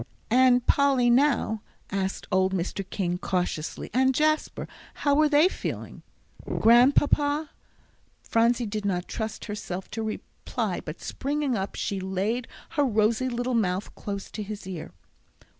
"And Polly, now " asked old Mr. King, cautiously, "and Jasper how were they feeling?" "Grandpapa," Phronsie did not trust herself to reply, but, springing up, she laid her rosy little mouth close to his ear.